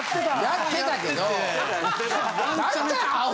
やってたけど大体。